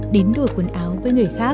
đến đổi quần áo với người khác